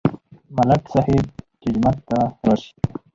ملک صاحب چې جومات ته راشي.